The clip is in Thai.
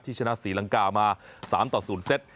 ชนะศรีลังกามา๓ต่อ๐เซต